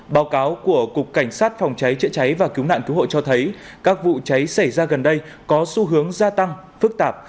báo cáo của cục cảnh sát phòng cháy chữa cháy và cứu nạn cứu hộ cho thấy các vụ cháy xảy ra gần đây có xu hướng gia tăng phức tạp